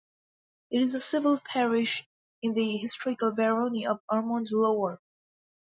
It is a civil parish in the historical barony of Ormond Lower.